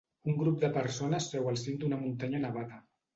Un grup de persones seu al cim d'una muntanya nevada.